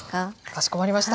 かしこまりました。